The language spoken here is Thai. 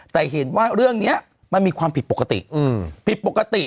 แต่เห็นว่าเรื่องนี้มันมีความผิดปกติผิดปกติ